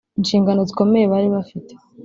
Inshingano zikomeye bari bafite